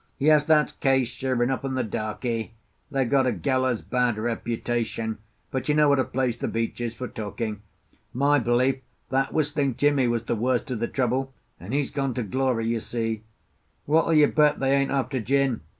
Yes, that's Case, sure enough, and the darkie. They've got a gallows bad reputation, but you know what a place the beach is for talking. My belief, that Whistling Jimmie was the worst of the trouble; and he's gone to glory, you see. What'll you bet they ain't after gin?